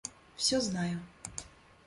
Всё знаю.